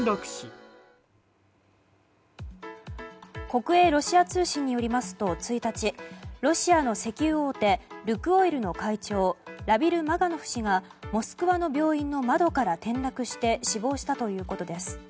国営ロシア通信によりますと、１日ロシアの石油大手ルクオイルの会長ラビル・マガノフ氏がモスクワの病院の窓から転落して死亡したということです。